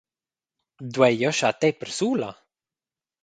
Duei jeu schar tei persula?